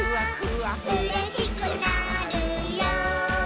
「うれしくなるよ」